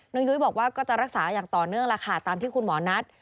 ยุ้ยบอกว่าก็จะรักษาอย่างต่อเนื่องล่ะค่ะตามที่คุณหมอนัด